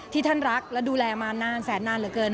ท่านรักและดูแลมานานแสนนานเหลือเกิน